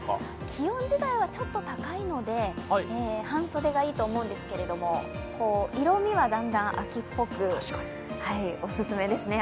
気温自体はちょっと高いので、半袖がいいと思うんですけど、色みはだんだん、秋っぽく、お勧めですね。